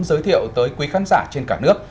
giới thiệu tới quý khán giả trên cả nước